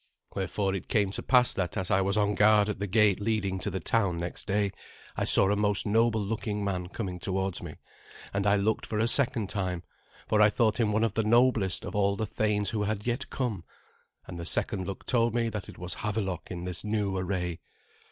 Wherefore it came to pass that as I was on guard at the gate leading to the town next day I saw a most noble looking man coming towards me, and I looked a second time, for I thought him one of the noblest of all the thanes who had yet come, and the second look told me that it was Havelok in this new array.